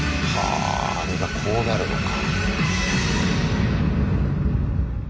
ああれがこうなるのか。